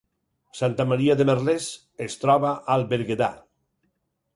Santa Maria de Merlès es troba al Berguedà